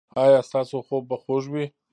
ایا ستاسو خوب به خوږ وي؟